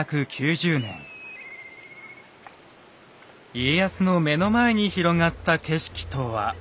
家康の目の前に広がった景色とは。